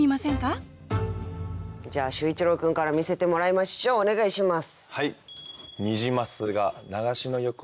じゃあ秀一郎君から見せてもらいましょうお願いします。